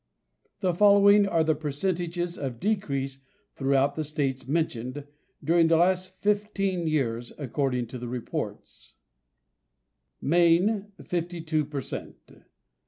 The following are the percentages of decrease throughout the states mentioned, during the last fifteen years, according to the reports: Maine 52 per cent.